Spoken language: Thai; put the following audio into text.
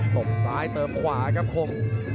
ขมซ้ายเติมขวาครับขม